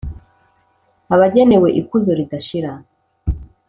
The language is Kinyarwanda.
abagenewe ikuzo ridashira.